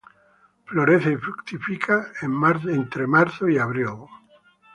Florece y fructifica en Marzo y Abril.